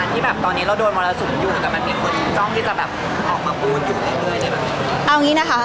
พี่ตอบได้แค่นี้จริงค่ะ